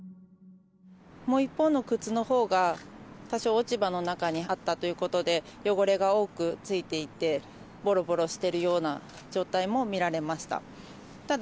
もう一方の靴のほうが、多少、落ち葉の中にあったということで、汚れが多くついていて、ぼろぼろしてるような状態も見られました。